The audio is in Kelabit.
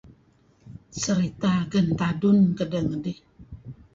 Seriteh Agan Tadun kedeh ngidih.